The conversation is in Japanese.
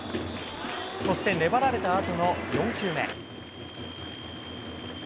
そして粘られたあとの４球目。